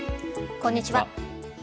こんにちは。